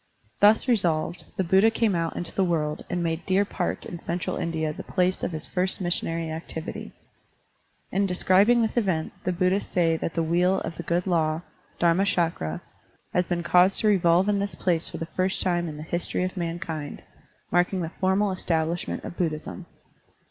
Thus resolved, the Buddha came out into the world and made Deer Park in Central India the place of his first mis sionary activity. In describing this event, the Buddhists say that the Wheel of the Good Law, Dharmachakra, has been caused to revolve in this place for the first time in the history of mankind, marking the formal establishment of Buddhism.